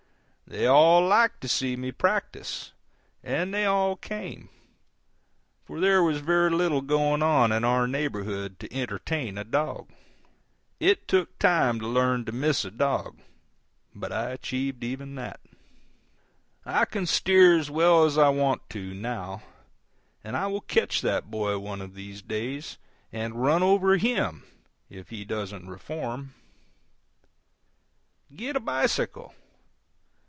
They all liked to see me practice, and they all came, for there was very little going on in our neighborhood to entertain a dog. It took time to learn to miss a dog, but I achieved even that. I can steer as well as I want to, now, and I will catch that boy out one of these days and run over HIM if he doesn't reform. Get a bicycle.